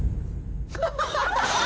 ハハハハ！